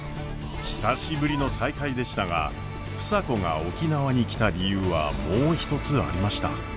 久しぶりの再会でしたが房子が沖縄に来た理由はもう一つありました。